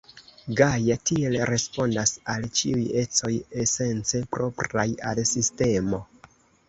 Gaja tiel respondas al ĉiuj ecoj esence propraj al sistemo.